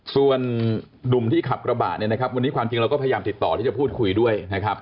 ส่วนหนุ่มที่ขับกระบะเนี่ยนะครับวันนี้ความจริงเราก็พยายามติดต่อที่จะพูดคุยด้วยนะครับ